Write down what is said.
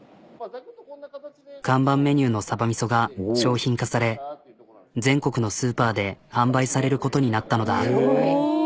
看板メニューのさばみそが商品化され全国のスーパーで販売されることになったのだ。